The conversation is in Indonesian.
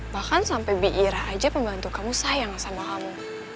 bahkan sampai biirah aja pembantu kamu sayang sama kamu